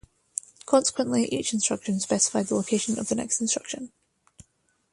Consequently, each instruction specified the location of the next instruction.